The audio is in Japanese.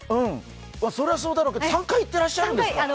それはそうだけど、３回行ってらっしゃるんですか。